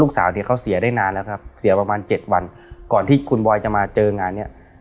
สาวเนี่ยเขาเสียได้นานแล้วครับเสียประมาณเจ็ดวันก่อนที่คุณบอยจะมาเจองานเนี้ย